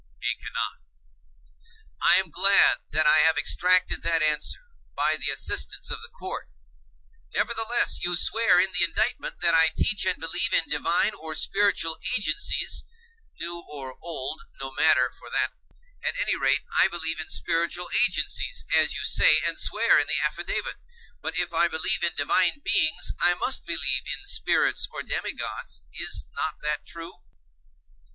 He cannot.I am glad that I have extracted that answer, by the assistance of the court; nevertheless you swear in the indictment that I teach and believe in divine or spiritual agencies (new or old, no matter for that); at any rate, I believe in spiritual agencies, as you say and swear in the affidavit; but if I believe in divine beings, I must believe in spirits or demigods; is not that true?